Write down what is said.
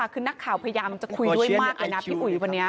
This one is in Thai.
คือนักข่าวพยายามจะคุยด้วยมากเลยนะพี่อุ๋ยวันนี้